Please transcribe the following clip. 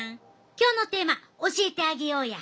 今日のテーマ教えてあげようや。